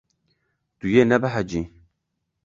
Tu yê nebehecî.